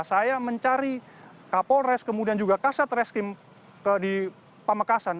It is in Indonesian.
saya mencari kapolres kemudian juga kasat reskim di pamekasan